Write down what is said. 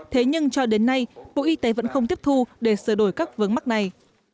thế nhưng cho đến nay bộ y tế vẫn không tiếp thu để sửa đổi các vớn mắt này